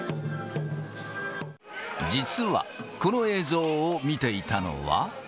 実は、この映像を見ていたのは。